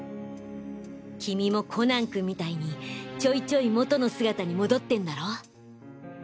君もコナン君みたいにちょいちょい元の姿に戻ってんだろ？